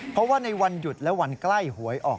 เพราะว่าในวันหยุดและวันใกล้หวยออก